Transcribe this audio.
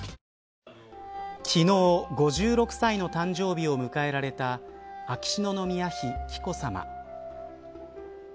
昨日、５６歳の誕生日を迎えられた秋篠宮妃紀子さま。